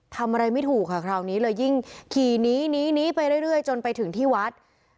ทำอะไรไม่ถูกค่ะคราวนี้เลยยิ่งขี่นี้หนีไปเรื่อยจนไปถึงที่วัด